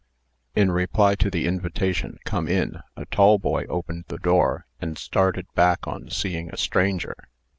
In reply to the invitation, "Come in," a tall boy opened the door, and started back on seeing a stranger.